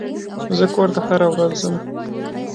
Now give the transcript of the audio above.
زه کور ته هره ورځ ځم.